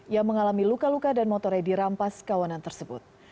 yang mengalami luka luka dan motornya dirampas kawanan tersebut